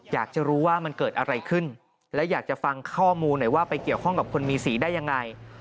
อยากจะรู้ว่ามันเกิดอะไรขึ้นและอยากจะฟังข้อมูลหน่อยว่าไปเกี่ยวข้องกับคนมีสีได้ยังไง